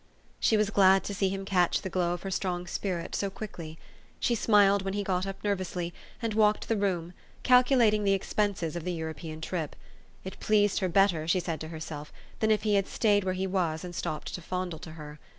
She was glad to see him catch the glow of her strong spirit so quickly. She smiled when he got up nervously, and walked the room, calculating the expenses of the European trip. It pleased her bet ter, she said to herself, than if he had staid where he was, and stopped to fondle to her.